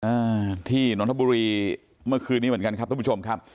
อ่าที่นนทบุรีเมื่อคืนนี้เหมือนกันครับทุกผู้ชมครับ